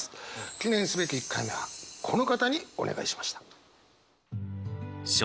記念すべき１回目はこの方にお願いしました。